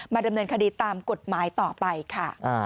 ดำเนินคดีตามกฎหมายต่อไปค่ะ